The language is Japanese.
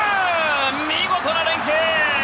見事な連係！